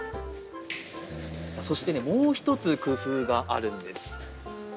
そして、もう１つ工夫があるんです。